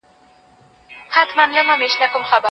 هغه اوس چای څښي او ارام کوي.